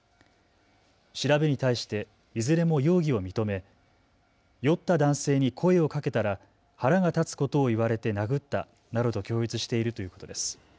調べに対していずれも容疑を認め酔った男性に声をかけたら腹が立つことを言われて殴ったなどと供述しているということです。